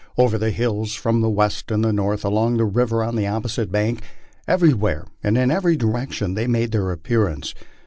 Over the hills, from the west and north, along the river, on the opposite bank, everywhere and in every direction they made their appearance.